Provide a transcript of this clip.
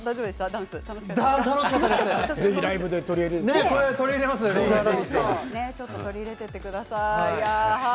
ダンスを取り入れてください。